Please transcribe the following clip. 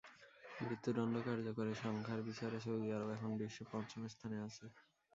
মৃত্যুদণ্ড কার্যকরের সংখ্যার বিচারে সৌদি আরব এখন বিশ্বে পঞ্চম স্থানে আছে।